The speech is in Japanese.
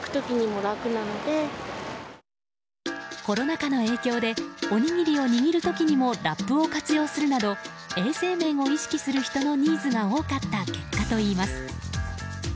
コロナ禍の影響でおにぎりを握る時にもラップを活用するなど衛生面を意識する人のニーズが多かった結果といいます。